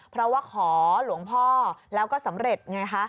เพราะว่าขอหลวงพ่อแล้วก็สำเร็จไงคะ